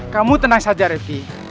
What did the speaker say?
kamu tenang saja refi